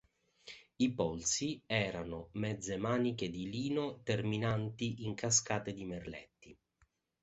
I polsi erano mezze maniche di lino terminanti in cascate di merletti.